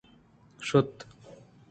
شُت